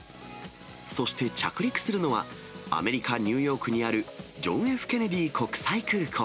そして着陸するのは、アメリカ・ニューヨークにあるジョン・Ｆ・ケネディ国際空港。